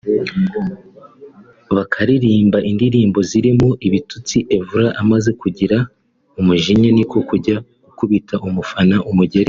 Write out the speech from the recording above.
bakaririmba indirimbo zirimo ibitutsi Evra amaze kugira umujinya niko kujya gukubita umufana umugeri